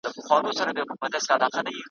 ښځي وویل ژر وزه دم تر دمه ,